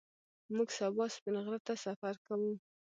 موږ سبا سپین غره ته سفر کوو